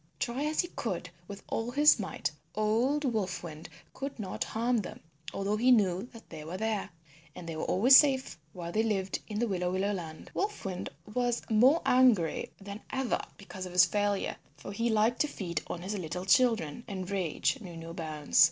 Try as he could with all his might old Wolf Wind could not harm them although he knew that they were there; and they were always safe while they lived in the Willow Willow Land. Wolf Wind was more angry than ever because of his failure, for he liked to feed on his little children, and rage knew no bounds.